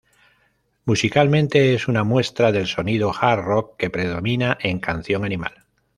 Musicalmente es una muestra del sonido hard rock que predomina en Canción Animal.